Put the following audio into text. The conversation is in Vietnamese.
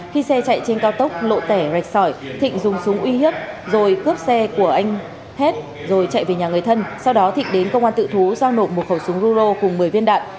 khi xe chạy trên cao tốc lộ tẻ rạch sỏi thịnh dùng súng uy hiếp rồi cướp xe của anh hết rồi chạy về nhà người thân sau đó thịnh đến công an tự thú giao nộp một khẩu súng ruro cùng một mươi viên đạn